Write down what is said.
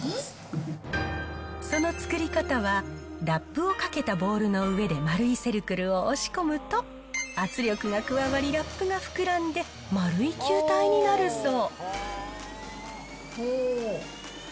その作り方は、ラップをかけたボウルの上で丸いセルクルを押し込むと、圧力が加わり、ラップが膨らんで、丸い球体になるそう。